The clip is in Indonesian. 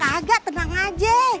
kagak tenang aja